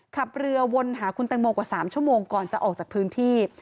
ขับเรือวนหาคุณแตงโมกว่า๓ชั่วโมงก่อนจะออกจากพื้นที่